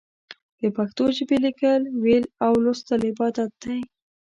د پښتو ژبې ليکل، ويل او ولوستل عبادت دی.